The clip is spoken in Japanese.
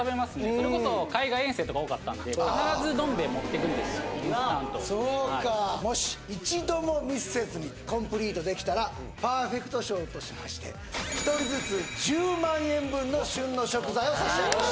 それこそ海外遠征とか多かったんで必ずどん兵衛持っていくんですよインスタントをそうかもし一度もミスせずにコンプリートできたらパーフェクト賞としまして１人ずつ１０万円分の旬の食材を差し上げます